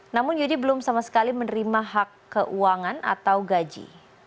namun yudi belum sama sekali menerima hak keuangan atau gaji